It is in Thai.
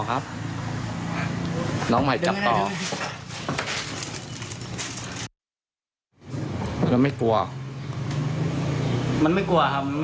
ก็ต้องทำครับ